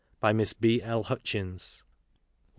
By Miss B. L. Hutchins. 167.